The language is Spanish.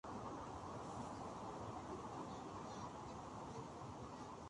El tema es un rock pesado lento que anticipa lo que será Pappo's Blues.